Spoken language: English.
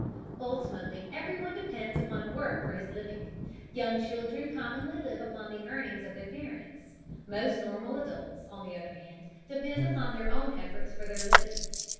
Ultimately everyone depends upon work for his living. Young children commonly live upon the earnings of their parents; most normal adults, on the other hand, depend upon their own efforts for their living.